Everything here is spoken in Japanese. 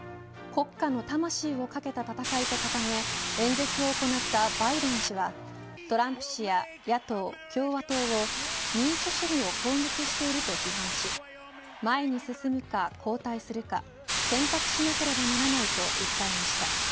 国家の魂をかけた戦いと掲げ演説を行ったバイデン氏はトランプ氏や野党・共和党を民主主義を攻撃していると批判し前に進むか後退するか選択しなければならないと訴えました。